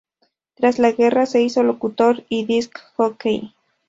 Tras la guerra se hizo locutor y disc jockey.